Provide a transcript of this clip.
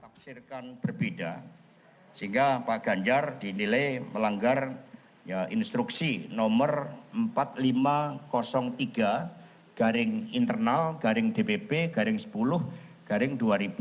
tafsirkan berbeda sehingga pak ganjar dinilai melanggar instruksi nomor empat ribu lima ratus tiga garing dpp garing sepuluh garing dua ribu dua puluh